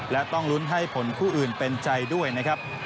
และต้องลุ้นให้ผลคู่อื่นเป็นใจด้วยนะครับ